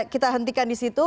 kita hentikan di situ